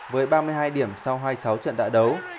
với ba mươi hai điểm sau hai cháu trận đại đấu